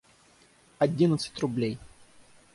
Одиннадцать рублей.